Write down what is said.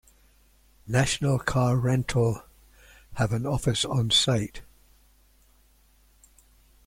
National Car Rental have an office onsite.